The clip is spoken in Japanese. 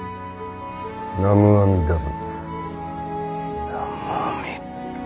南無阿弥陀仏。